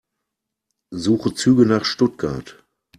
Suche Züge nach Stuttgart.